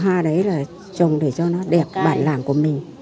hoa đấy là trồng để cho nó đẹp bản làng của mình